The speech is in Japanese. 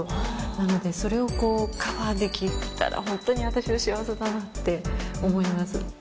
なのでそれをこうカバーできたらホントに私は幸せだなって思います。